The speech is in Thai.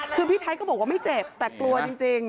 คือพี่ไทยก็บอกว่าไม่เจ็บแต่กลัวจริง